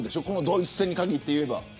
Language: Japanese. ドイツ戦に限って言えば。